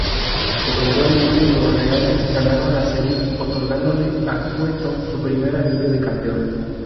Eventualmente los Reales ganaron la serie, otorgándole a Cueto su primer anillo de campeón.